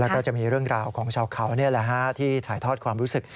แล้วก็จะมีเรื่องราวของชาวเขาที่ถ่ายทอดความรู้สึก